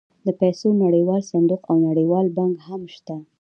د پیسو نړیوال صندوق او نړیوال بانک هم شته